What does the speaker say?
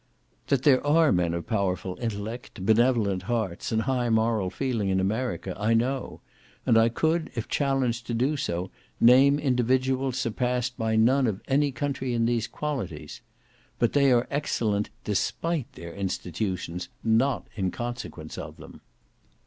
That there are men of powerful intellect, benevolent hearts, and high moral feeling in America, I know: and I could, if challenged to do so, name individuals surpassed by none of any country in these qualities; but they are excellent, despite their institutions, not in consequence of them.